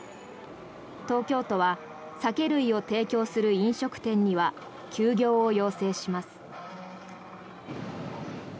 東京都は酒類を提供する飲食店には休業を要請します。